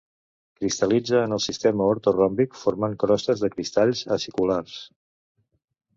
Cristal·litza en el sistema ortoròmbic formant crostes de cristalls aciculars.